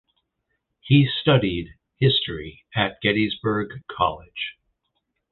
He studied history at Gettysburg College.